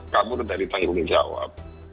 kabur dari tanggung jawab